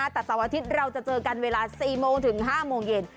แต่เสาร์อาทิตย์เราจะเจอกันเวลา๔โมงถึง๕โมงเย็น